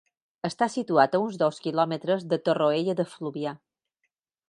Està situat a uns dos quilòmetres de Torroella de Fluvià.